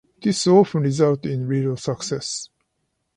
This often results in little success.